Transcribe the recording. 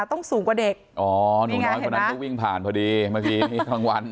ต้องสูงกว่าเด็กอ๋อหนูน้อยคนนั้นก็วิ่งผ่านพอดีเมื่อกี้กลางวัน